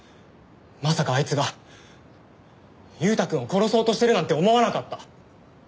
まさかあいつが裕太くんを殺そうとしてるなんて思わなかった。